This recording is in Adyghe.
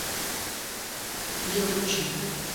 Еу, джы!